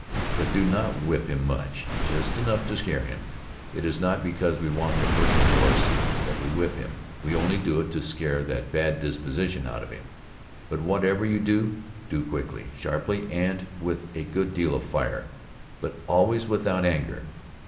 But do not whip him much, just enough to scare him, it is not because we want to hurt the horse that we whip him, we only do it to scare that bad disposition out of him. But whatever you do, do quickly, sharply and with a good deal of fire, but always without anger.